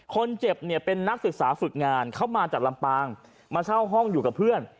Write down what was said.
คนเจ็บเนี่ยเป็นนักศึกษาฝึกงานเข้ามาจากลำปางมาเช่าห้องอยู่กับเพื่อน